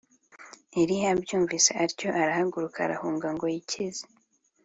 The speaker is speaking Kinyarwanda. Eliya abyumvise atyo arahaguruka arahunga ngo yikize